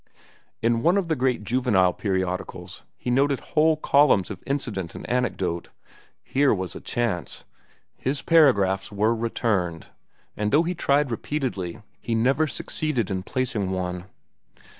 In one of the great juvenile periodicals he noted whole columns of incident and anecdote. Here was a chance. His paragraphs were returned, and though he tried repeatedly he never succeeded in placing one.